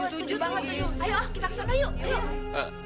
wah setuju banget setuju ayo kita kesana yuk